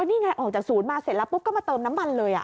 นี่ไงออกจากศูนย์มาเสร็จแล้วปุ๊บก็มาเติมน้ำมันเลย